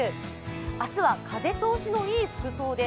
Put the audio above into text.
明日は風通しのいい服装で。